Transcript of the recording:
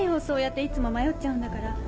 そうやっていつも迷っちゃうんだから。